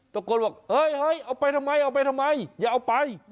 ตะโกนว่าเฮ้ยเอาไปทำไมอย่าเอาไป